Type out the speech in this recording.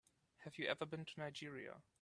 Have you ever been to Nigeria?